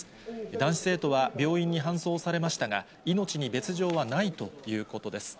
男子生徒は病院に搬送されましたが、命に別状はないということです。